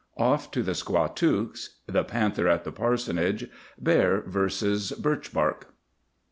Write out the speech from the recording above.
OFF TO THE SQUATOOKS.—THE PANTHER AT THE PARSONAGE.—BEAR VS. BIRCH BARK.